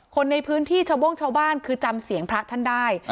คนในพื้นที่ชาวโบ้งชาวบ้านคือจำเสียงพระท่านได้